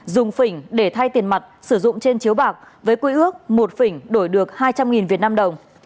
dùng phỉnh để thay tiền mặt sử dụng trên chiếu bạc với quy ước một phỉnh đổi được hai trăm linh vnđ